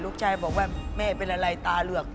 เขาก็บอกว่าไม่บอกไม่บอก